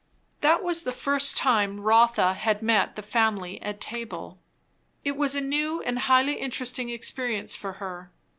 That was the first time Rotha had met the family at table. It was a new and highly interesting experience for her.